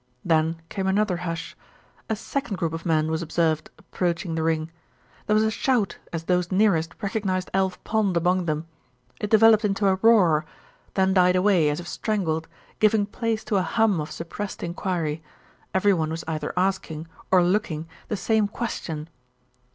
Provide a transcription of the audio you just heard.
Then came another hush. A second group of men was observed approaching the ring. There was a shout as those nearest recognised Alf Pond among them. It developed into a roar, then died away as if strangled, giving place to a hum of suppressed inquiry. Everyone was either asking, or looking, the same question.